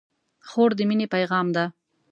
خور د مینې پیغام ده.